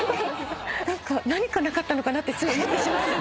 何かなかったのかなってつい思ってしまうんですけど。